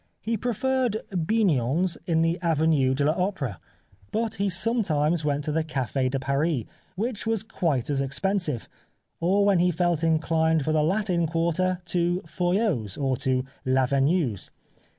He preferred Bignon's in the Avenue de T Opera, but he some Q 241 / The Life of Oscar Wilde times went to the Cafe de Paris, which was quite as expensive, or, when he felt indined for the Latin Quarter, to Foyot's or to Lavenue's.